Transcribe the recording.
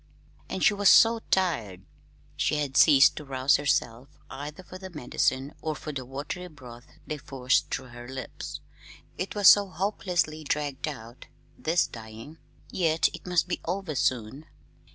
And she was so tired. She had ceased to rouse herself, either for the medicine or for the watery broths they forced through her lips. It was so hopelessly dragged out this dying; yet it must be over soon.